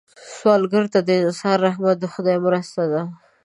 سوالګر ته د انسان رحمت د خدای مرسته ده